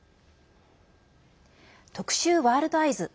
特集「ワールドＥＹＥＳ」。